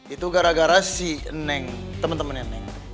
itu gara gara si neng temen temennya neng